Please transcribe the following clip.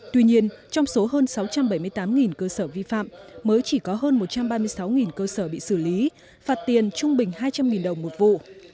tuy nhiên trong số hơn sáu trăm bảy mươi tám cơ sở vi phạm mới chỉ có hơn một trăm ba mươi sáu cơ sở bị xử lý phạt tiền trung bình hai trăm linh đồng một vụ